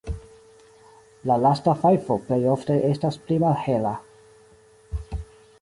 La lasta fajfo plej ofte estas pli malhela.